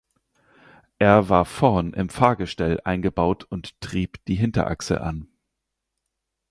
Er war vorn im Fahrgestell eingebaut und trieb die Hinterachse an.